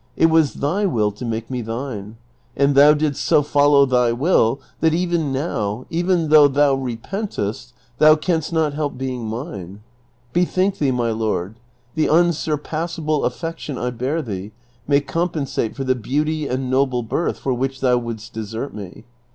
It was thy will to make me thine, and thou didst so follow thy will, that now, even though thou repentest, thou canst not help being mine. Bethink thee, my lord, the unsurpassable affection 1 bear thee may compensate for the beauty and noble birth for which thou wouldst desert me.